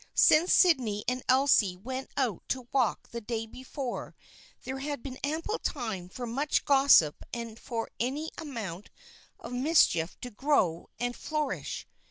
Since S} 7 dney and Elsie went out to walk the day before there had been ample time for much gossip and for any amount of mischief to grow and flour ish.